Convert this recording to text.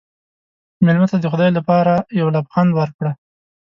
مېلمه ته د خدای لپاره یو لبخند ورکړه.